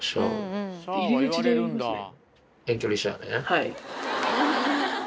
はい。